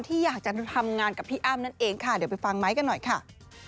ที่อยากจะทำงานกับพี่อ้ำนั่นเองค่ะเดี๋ยวไปฟังไม้กันหน่อยค่ะ